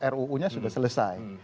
ruu nya sudah selesai